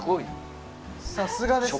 さすがですよね